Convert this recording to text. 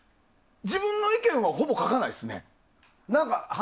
自分の意見はほぼ書かないですね。